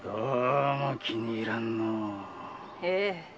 ええ。